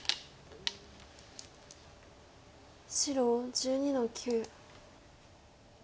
白１２の九。